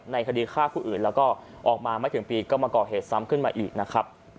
คดีฆ่าผู้อื่นแล้วก็ออกมาไม่ถึงปีก็มาก่อเหตุซ้ำขึ้นมาอีกนะครับ